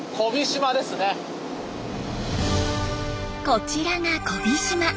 こちらが小飛島。